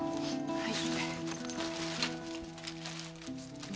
はい。